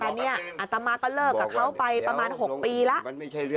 แต่เนี่ยอัตมาก็เลิกกับเขาไปประมาณ๖ปีแล้ว